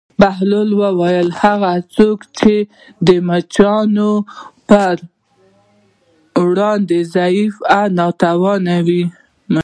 بهلول وویل: هغه څوک چې د مچانو پر وړاندې ضعیف او ناتوانه وي.